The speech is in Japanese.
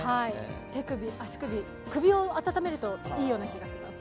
手首、足首、首をあたためるといいような気がします。